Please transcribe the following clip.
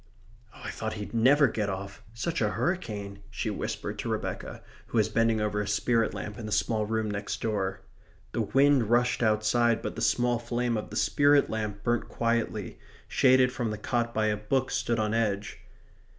"I thought he'd never get off such a hurricane," she whispered to Rebecca, who was bending over a spirit lamp in the small room next door. The wind rushed outside, but the small flame of the spirit lamp burnt quietly, shaded from the cot by a book stood on edge.